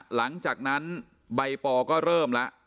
หลังจากนั้นใบปอก็เริ่มแล้ว